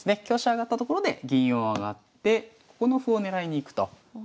香車上がったところで銀を上がってここの歩を狙いに行くと。